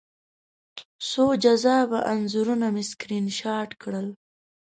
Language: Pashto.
څو جذابه انځورونه مې سکرین شاټ کړل